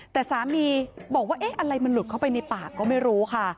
แต่สามีบอกว่าเอ๊ะอะไรมันหลุดเข้าไปในปากก็ไม่รู้ค่ะ